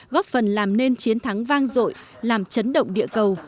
góp phần làm nên chiến thắng vang dội làm chấn động địa cầu